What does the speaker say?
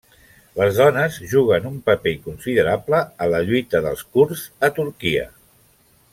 Les dones juguen un paper considerable a la lluita dels kurds a Turquia.